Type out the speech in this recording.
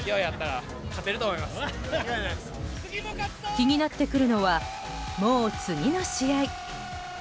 気になってくるのはもう、次の試合。